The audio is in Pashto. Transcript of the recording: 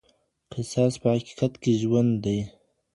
قصاص په حقیقت کي ژوند دی.